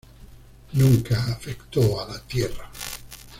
Nunca afectó a la tierra.